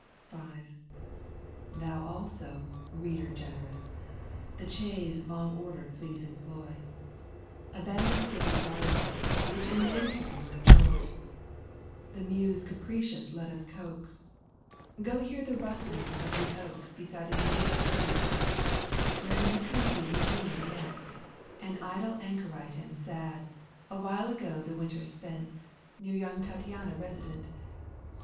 V. Thou also, reader generous. The chaise long ordered please employ, Abandon cities riotous. Which in the winter were a joy : Digitized by VjOOQ 1С 190 EUGENE ON^GUINE. canto vn. The Muse capricious let us coax, Go hear the rustUng of the oaks Beside a nameless rivulet, Where in the country Eugene yet, An idle anchorite and sad, A while ago the winter spent, Near young Tattiana resident.